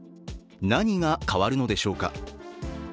何が変わるのでしょうか。